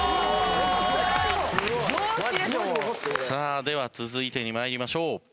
さあでは続いて参りましょう。